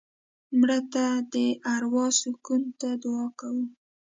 مړه ته د اروا سکون ته دعا کوو